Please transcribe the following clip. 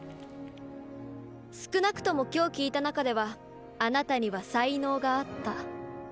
少なくとも今日聴いた中ではあなたには才能があった。